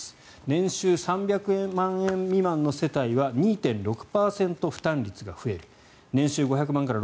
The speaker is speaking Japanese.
年収３００万円未満の世帯は２．６％負担率が増える。